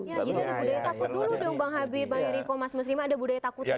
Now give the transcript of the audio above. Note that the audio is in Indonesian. jadi budaya takut dulu dong bang habib bang eriko mas mesrim ada budaya takut dulu